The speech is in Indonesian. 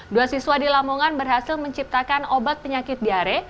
dua siswa di lamongan berhasil menciptakan obat penyakit diare